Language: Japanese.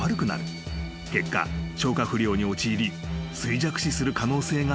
［結果消化不良に陥り衰弱死する可能性が高いという］